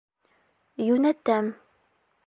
Йүнәтәм.